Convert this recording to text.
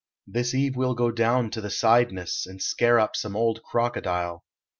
This eve we ll go down to the Cydnus And scare up some old crocodile.